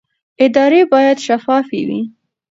ادارې باید شفافې وي